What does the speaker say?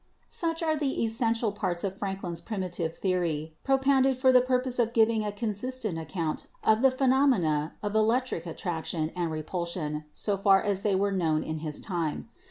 Such are the essential parts of Franklin's primitive theory, propounded for the purpose of giving a consistent NATURE AND FORCE MS account of the phenomena of electric attraction and re pulsion so far as they were known in his time.